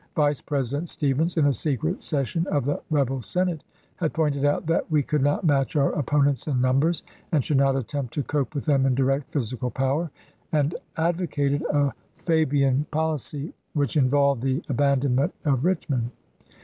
Vice President Stephens, in a secret session of the rebel Senate, had pointed out that "we could not match our opponents in numbers, and should not attempt to cope with them in direct physical power," and ad s^?var11G' vocated a Fabian policy which involved the aban thesXes." donment of Richmond.